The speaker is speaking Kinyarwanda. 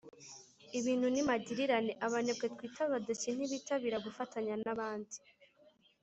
ibintu ni magirirane; abanebwe twita abadeshyi ntibitabira gufatanya n’abandi